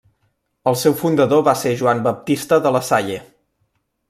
El seu fundador va ser Joan Baptista de la Salle.